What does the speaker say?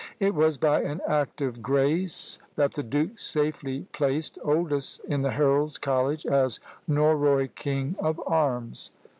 It was by an act of grace that the duke safely placed Oldys in the Heralds' College as Norroy King of Arms.